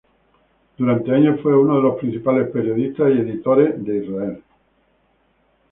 Durante años fue uno de los principales periodistas y editores de Israel.